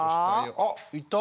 あっいた。